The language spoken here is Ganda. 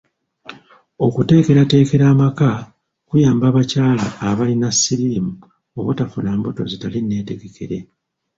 Okuteekerateekera amaka kuyamba abakyala abalina siriimu obutafuna mbuto zitali nneetegekere.